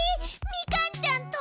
みかんちゃんと⁉